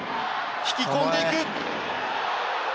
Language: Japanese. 引き込んでいく。